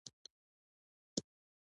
بوټي ګټور دي.